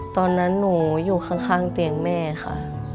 ตอนนั้นหนูอยู่ข้างเตียงแม่ค่ะ